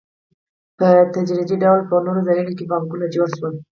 په تدریجي ډول په نورو ځایونو کې بانکونه جوړ شول